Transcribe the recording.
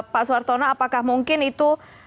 pak suwartona apakah mungkin itu